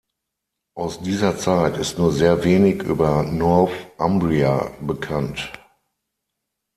Aus dieser Zeit ist nur sehr wenig über Northumbria bekannt.